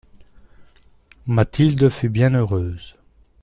Mathilde fut bien heureuse.